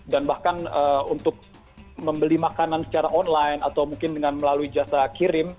dan bahkan untuk membeli makanan secara online atau mungkin dengan melalui jasa kirim